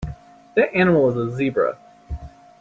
That animal is a Zebra.